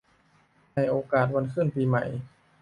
ในโอกาสวันขึ้นปีใหม่